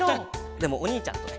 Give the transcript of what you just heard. でもおにいちゃんとね。